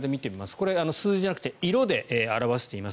これ、数字じゃなくて色で表しています。